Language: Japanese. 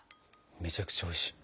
めちゃくちゃおいしい。